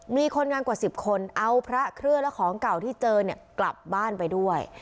มีคนงานกว่า๑๐คนเอาพระเครื่องและของเก่าที่เจอเนี่ยกลับบ้านไปด้วย